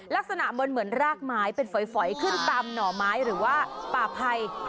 ลักษณะบนเหมือนรากไม้เป็นฝอยขึ้นตามหน่อไม้หรือว่าป่าไพร